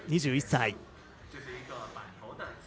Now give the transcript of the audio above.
２１歳。